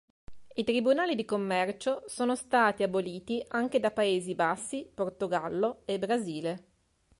I tribunali di commercio sono stati aboliti anche da Paesi Bassi, Portogallo e Brasile.